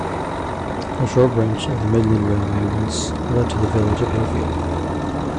A short branch of the Midland Railway once led to the village of Hayfield.